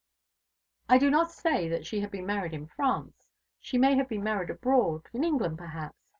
"I do not say that she had been married in France. She may have been married abroad in England, perhaps.